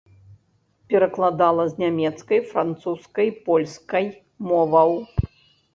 Перакладала з нямецкай, французскай, польскай моваў.